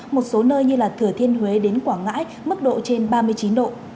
một số nơi như thừa thiên huế đến quảng ngãi mức độ trên ba mươi chín độ